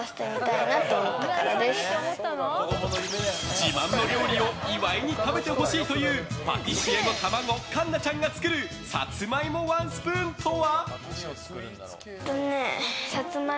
自慢の料理を岩井に食べてほしいというパティシエの卵栞奈ちゃんが作るサツマイモワンスプーンとは？